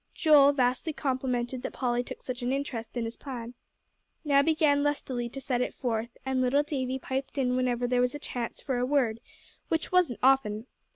Joel, vastly complimented that Polly took such an interest in his plan, now began lustily to set it forth, and little Davie piped in whenever there was a chance for a word, which wasn't often.